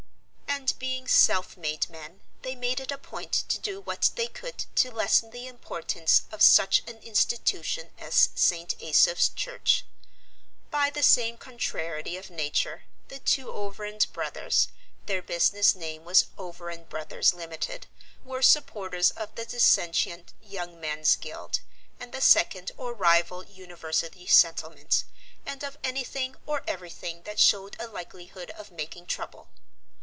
And being self made men they made it a point to do what they could to lessen the importance of such an institution as St. Asaph's Church. By the same contrariety of nature the two Overend brothers (their business name was Overend Brothers, Limited) were supporters of the dissentient Young Men's Guild, and the second or rival University Settlement, and of anything or everything that showed a likelihood of making trouble.